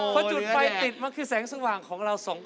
พอจุดไฟติดมันคือแสงสว่างของเราสองคน